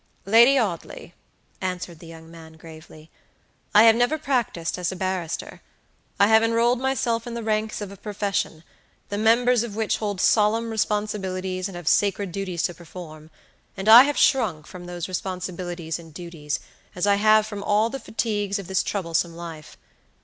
"Lady Audley," answered the young man, gravely, "I have never practiced as a barrister. I have enrolled myself in the ranks of a profession, the members of which hold solemn responsibilities and have sacred duties to perform; and I have shrunk from those responsibilities and duties, as I have from all the fatigues of this troublesome life.